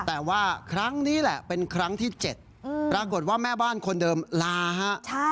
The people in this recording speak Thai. แต่ว่าครั้งนี้แหละเป็นครั้งที่๗ปรากฏว่าแม่บ้านคนเดิมลาฮะ